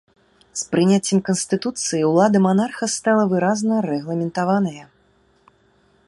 З прыняццем канстытуцыі ўлада манарха стала выразна рэгламентаваная.